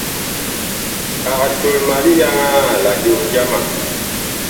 Ag tol ma liyaŋaa la joo jama.